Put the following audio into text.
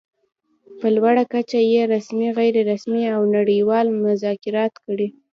په لوړه کچه يې رسمي، غیر رسمي او نړۍوال مذاکرات کړي.